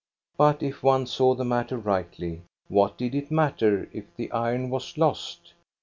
But if one saw the matter rightly, what did it matter if the (iron was lost